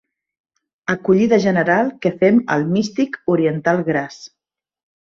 Acollida general que fem al místic oriental gras.